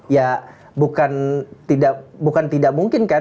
ya bukan tidak mungkin kan